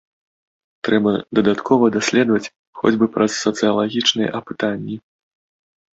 Трэба дадаткова даследаваць хоць бы праз сацыялагічныя апытанні.